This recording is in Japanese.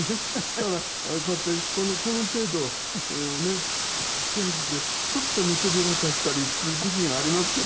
だからこうやってこの程度ステージでちょっと見せびらかしたりする時がありますけど。